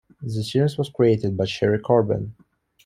The series was created by Sherry Coben.